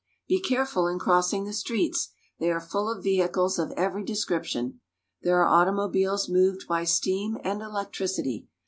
Be careful in crossing the streets. They are full of vehicles of every description. There are automobiles moved by steam and electricity.